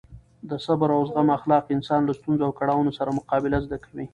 د صبر او زغم اخلاق انسان له ستونزو او کړاوونو سره مقابله زده کوي.